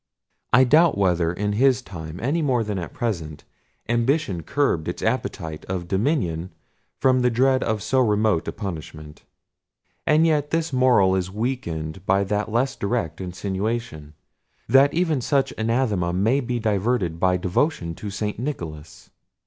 I doubt whether, in his time, any more than at present, ambition curbed its appetite of dominion from the dread of so remote a punishment. And yet this moral is weakened by that less direct insinuation, that even such anathema may be diverted by devotion to St. Nicholas.